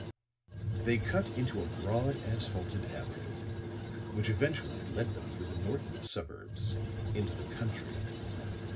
They cut into a broad asphalted avenue, which eventually led them through the north suburbs into the country.